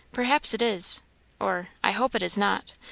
"perhaps it is!" or, "I hope it is not!"